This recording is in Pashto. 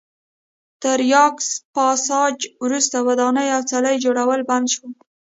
تر یاکس پاساج وروسته ودانۍ او څلي جوړول بند شول.